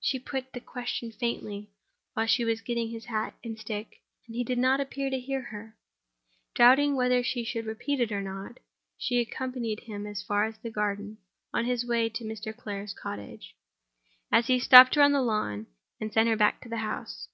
She put the question faintly, while he was getting his hat and stick; and he did not appear to hear her. Doubting whether she should repeat it or not, she accompanied him as far as the garden, on his way to Mr. Clare's cottage. He stopped her on the lawn, and sent her back to the house.